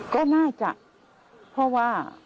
ก็น่าจะเพราะว่า